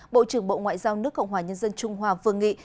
bộ trưởng bộ ngoại giao nước cộng hòa nhân dân trung hoa vương nghị